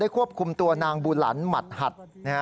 ควบคุมตัวนางบูหลันหมัดหัด